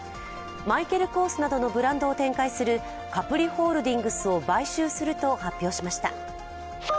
マイケル・コースなどのブランドを展開するカプリ・ホールディングスを買収すると発表しました。